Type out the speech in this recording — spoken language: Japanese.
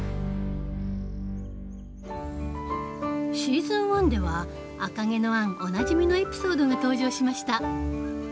シーズン１では「赤毛のアン」おなじみのエピソードが登場しました。